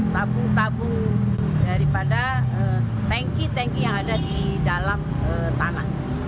tabung tabung daripada tangki tangki yang ada di dalam tanah